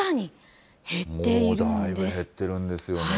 もうだいぶ減ってるんですよ